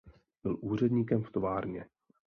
Byl úředníkem v továrně.